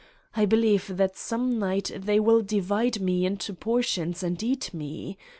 I believe that some night they will divide me into portions and eat me.